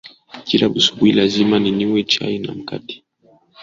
Kila asubuhi lazima ninywe chai na mkate.